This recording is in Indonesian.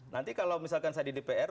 nanti kalau misalkan saya di dpr